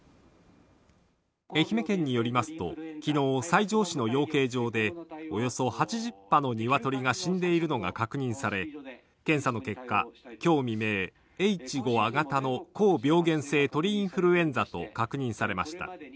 愛媛県によりますと、昨日西条市の養鶏場でおよそ８０羽の鶏が死んでいるのが確認され、検査の結果、今日未明、Ｈ５亜型の高病原性鳥インフルエンザと確認されました。